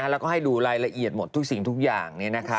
แล้วก็ให้ดูรายละเอียดหมดทุกสิ่งทุกอย่าง